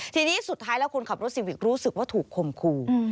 ทีนี้สุดท้ายแล้วคนขับรถซีวิกรู้สึกว่าถูกคมคู่